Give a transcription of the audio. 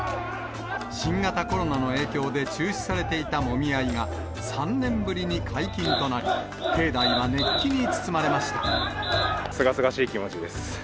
新型コロナの影響で中止されていたもみ合いが、３年ぶりに解禁とすがすがしい気持ちです。